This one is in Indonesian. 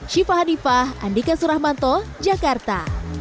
syifa hanifah andika suramanto jakarta